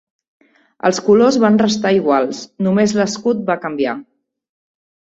Els colors van restar iguals, només l'escut va canviar.